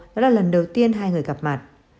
đó là lần đầu tiên hai người gặp mặt